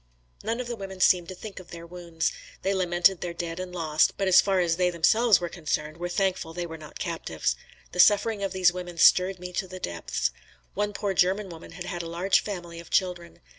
None of the women seemed to think of their wounds. They lamented their dead and lost, but as far as they themselves were concerned were thankful they were not captives. The suffering of these women stirred me to the depths. One poor German woman had had a large family of children.